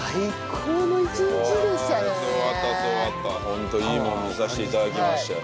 ホントいいものを見させて頂きましたよ。